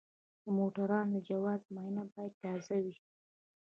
د موټروان د جواز معاینه باید تازه وي.